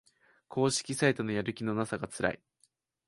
公式サイトのやる気のなさがつらい